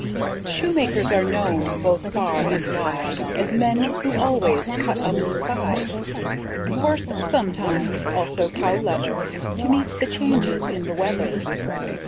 C. Shoemakers are known both far and wide, As men who always cut up side Horse sometimes, also cow leather, To meet the changes in the weather.